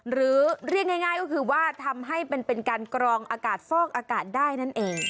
เรียกง่ายก็คือว่าทำให้เป็นการกรองอากาศฟอกอากาศได้นั่นเอง